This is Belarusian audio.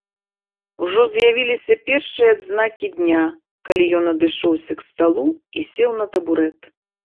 Ужо з'явіліся першыя адзнакі дня, калі ён адышоўся к сталу і сеў на табурэт.